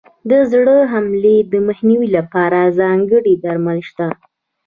د زړه حملې مخنیوي لپاره ځانګړي درمل شته.